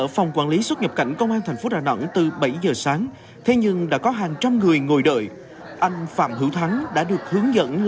phòng quản lý xuất nhập cảnh công an tp đà nẵng